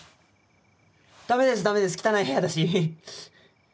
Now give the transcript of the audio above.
駄目です駄目です汚い部屋だし。